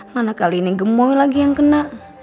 mana kali ini gemboy lagi yang kena